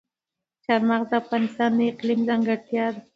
چار مغز د افغانستان د اقلیم ځانګړتیا ده.